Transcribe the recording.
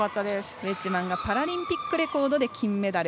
ウェッジマンがパラリンピックレコードで金メダル。